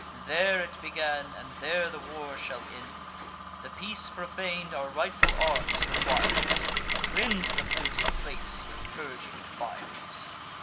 There it began, and there the war shall end. The peace profan'd our rightful arms requires; Cleanse the polluted place with purging fires."